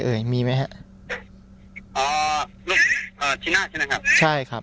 อ๋อลูกเอ่อชิน่าใช่ไหมครับใช่ครับน้องชิน่าไม่ค่อยมีนะครับ